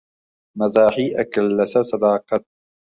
مەزاحی ئەکرد لەسەر سەداقەت